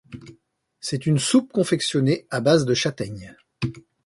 C'est une soupe confectionnée à base de châtaigne.